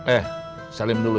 eh salim dulu